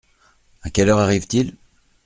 À quelle heure arrive-t-il ?